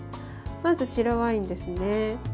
まず、白ワインですね。